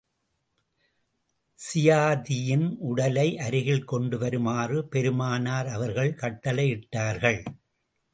ஸியாதியின் உடலை, அருகில் கொண்டு வருமாறு பெருமானார் அவர்கள் கட்டளையிட்டார்கள்.